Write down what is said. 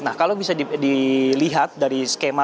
nah kalau bisa dilihat dari skema